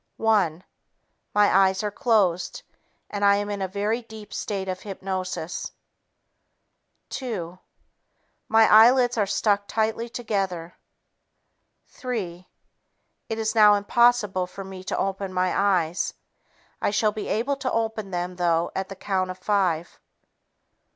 One ... My eyes are closed, and I am in a very deep state of hypnosis. Two ... My eyelids are stuck tightly together. Three ... It is now impossible for me to open my eyes. I shall be able to open them though at the count of five.